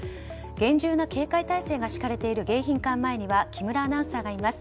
厳重な警戒態勢が敷かれている迎賓館前には木村アナウンサーがいます。